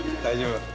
大丈夫。